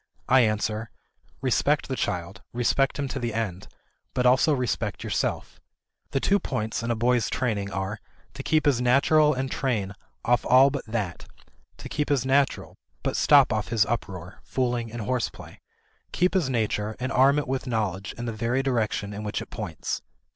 I answer, Respect the child, respect him to the end, but also respect yourself.... The two points in a boy's training are, to keep his naturel and train off all but that; to keep his naturel, but stop off his uproar, fooling, and horseplay; keep his nature and arm it with knowledge in the very direction in which it points."